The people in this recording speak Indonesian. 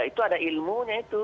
itu ada ilmunya itu